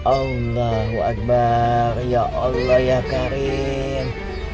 allahu akbar ya allah ya karin